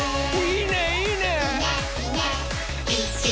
「いいねいいね！」